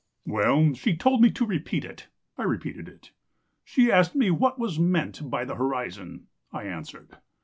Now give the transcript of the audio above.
"Well, she told me to repeat it. I repeated it. She asked me what was meant by the horizon. I answered.